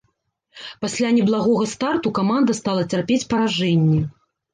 Пасля неблагога старту каманда стала цярпець паражэнні.